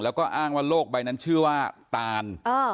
แล้วก็อ้างว่าโลกใบนั้นชื่อว่าตาน